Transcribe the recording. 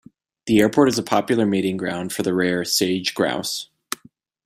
The airport is a popular mating ground for the rare Sage Grouse.